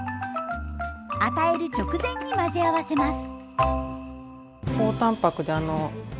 与える直前に混ぜ合わせます。